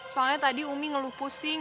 soalnya tadi umi ngeluh pusing